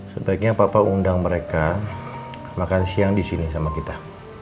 sebaiknya papa undang mereka makan siang disini sama kita